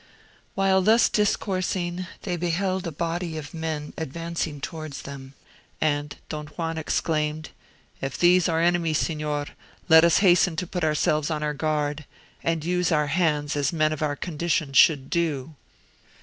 While thus discoursing, they beheld a body of men advancing towards them; and Don Juan exclaimed—"If these are enemies, Signor, let us hasten to put ourselves on our guard, and use our hands as men of our condition should do."